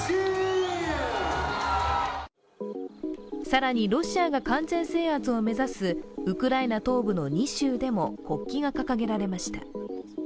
更に、ロシアが完全制圧を目指すウクライナ東部の２州でも国旗が掲げられました。